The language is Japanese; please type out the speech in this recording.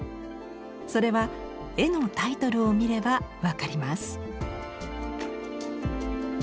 それは絵のタイトルを見れば分かります。